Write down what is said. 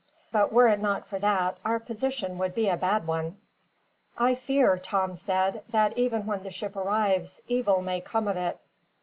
But were it not for that, our position would be a bad one." "I fear," Tom said, "that even when the ship arrives, evil may come of it."